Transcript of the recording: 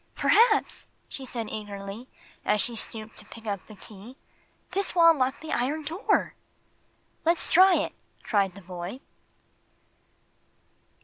"Perhaps," she said, eagerly, as she stooped to pick up the key, "this will unlock the iron door." "Let's try it!" cried the boy.